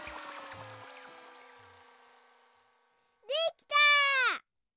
できた！